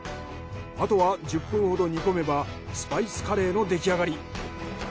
あとは１０分ほど煮込めばスパイスカレーの出来上がり。